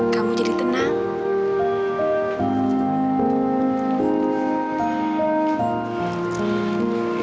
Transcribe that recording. kamu jadi tenang